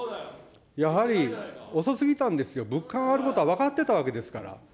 やはり遅すぎたんですよ、物価が上がることは分かってたわけですから。